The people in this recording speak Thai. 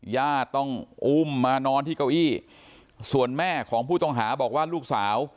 ญาติต้องอุ้มมานอนที่เก้าอี้ส่วนแม่ของผู้ต้องหาบอกว่าลูกสาว